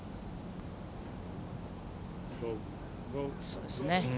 そうですね。